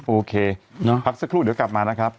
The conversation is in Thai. โอเคพักสักครู่เดี๋ยวกลับมานะครับ